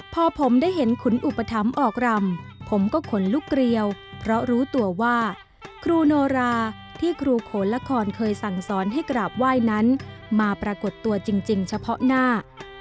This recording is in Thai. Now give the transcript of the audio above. พอผมได้เห็นขุนอุปถัมภ์ออกรำผมก็ขนลุกเกลียวเพราะรู้ตัวว่าครูโนราที่ครูโขนละครเคยสั่งสอนให้กราบไหว้นั้นมาปรากฏตัวจริงเฉพาะหน้า